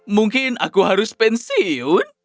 mungkin aku harus pensiun